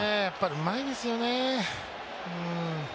うまいですよね、うん。